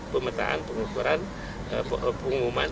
pemetaan pengukuran pengumuman